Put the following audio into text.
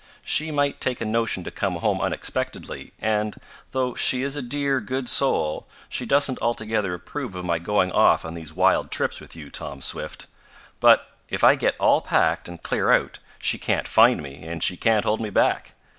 She might take a notion to come home unexpectedly, and, though she is a dear, good soul, she doesn't altogether approve of my going off on these wild trips with you, Tom Swift. But if I get all packed, and clear out, she can't find me and she can't hold me back.